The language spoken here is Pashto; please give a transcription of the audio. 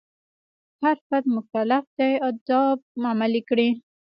هر فرد مکلف دی آداب عملي کړي.